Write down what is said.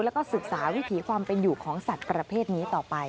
แล้วก็ศึกษาวิถีความเป็นอยู่ของสัตว์ประเภทนี้ต่อไป